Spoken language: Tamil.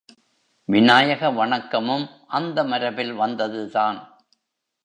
விநாயக வணக்கமும் அந்த மரபில் வந்ததுதான்.